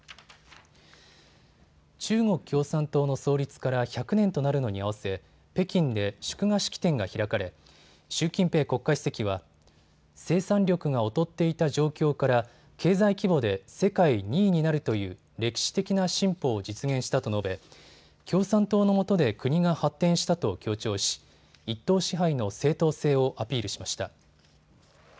中国共産党の創立から１００年となるのに合わせ北京で祝賀式典が開かれ習近平国家主席は生産力が劣っていた状況から経済規模で世界２位になるという歴史的な進歩を実現したと述べ、共産党のもとで国が発展したと強調し一党支配の正統性をアピールしました。